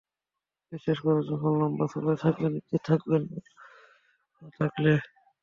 বিশ্বাস করুন, যখন লম্বা সফরে থাকবেন, নিশ্চিন্তে থাকবেন ও থাকলে!